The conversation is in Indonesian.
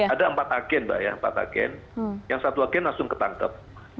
ada empat agen mbak ya empat agen yang satu agen langsung ketangkep